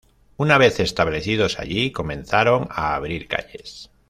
Una vez establecidos allí, comenzaron a abrir calles.